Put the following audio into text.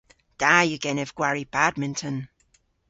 Da yw genev gwari badminton.